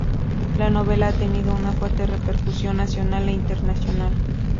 La novela ha tenido una fuerte repercusión nacional e internacional.